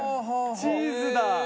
チーズだ！